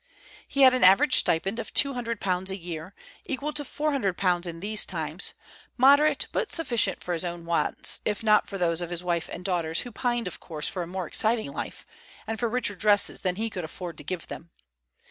He had an average stipend of £200 a year, equal to £400 in these times, moderate, but sufficient for his own wants, if not for those of his wife and daughters, who pined of course for a more exciting life, and for richer dresses than he could afford to give them.